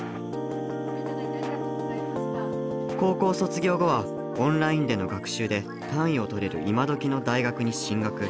高校卒業後はオンラインでの学習で単位を取れる今どきの大学に進学。